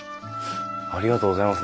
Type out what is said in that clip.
ありがとうございます。